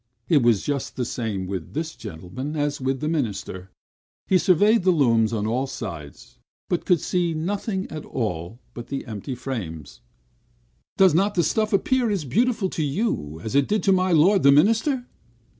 It was just the same with this gentleman as with the minister; he surveyed the looms on all sides, but could see nothing at all but the empty frames. "Does not the stuff appear as beautiful to you, as it did to my lord the minister?"